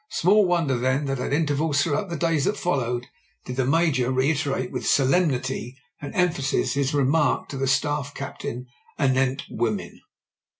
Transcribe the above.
Small wonder, then, that at intervals throughout the days that followed did the Major reiterate with solemnity and emphasis his remark to the Staff captain anent women.